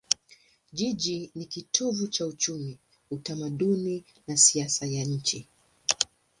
Jiji ni kitovu cha uchumi, utamaduni na siasa ya nchi.